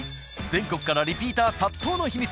全国からリピーター殺到の秘密